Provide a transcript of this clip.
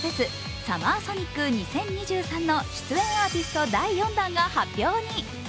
ＳＵＭＭＥＲＳＯＮＩＣ２０２３の出演アーティスト第４弾が発表に。